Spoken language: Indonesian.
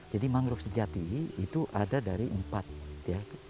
jadi mangrove sejati itu ada dari empat ya keluarga